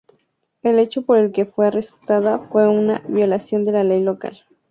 El hecho por el que fue arrestada fue una violación de la ley local.